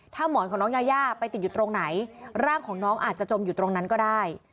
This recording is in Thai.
ถ้าหมอนของน้องยายาไปติดอยู่ตรงไหนร่างของน้องอาจจะจมอยู่ตรงนั้นก็ได้